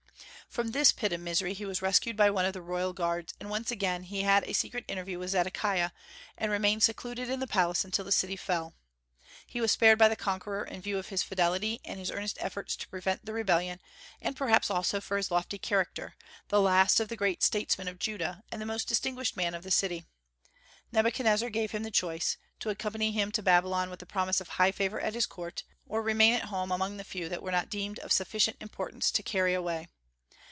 From this pit of misery he was rescued by one of the royal guards, and once again he had a secret interview with Zedekiah, and remained secluded in the palace until the city fell. He was spared by the conqueror in view of his fidelity and his earnest efforts to prevent the rebellion, and perhaps also for his lofty character, the last of the great statesmen of Judah and the most distinguished man of the city. Nebuchadnezzar gave him the choice, to accompany him to Babylon with the promise of high favor at his court, or remain at home among the few that were not deemed of sufficient importance to carry away.